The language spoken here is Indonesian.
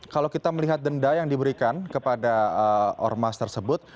kalau kita melihat denda yang diberikan kepada ormas tersebut